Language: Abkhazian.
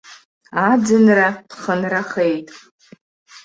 Аӡынра ԥхынрахеит.